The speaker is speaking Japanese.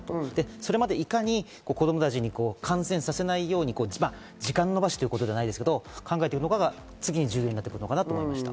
それまでいかに子供たちに感染させないように時間延ばしということじゃないですけど、考えていくのかが次に重要になってくるかなと思いました。